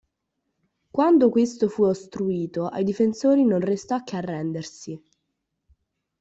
Quando questo fu ostruito, ai difensori non restò che arrendersi.